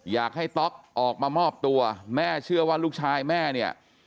ต๊อกออกมามอบตัวแม่เชื่อว่าลูกชายแม่เนี่ย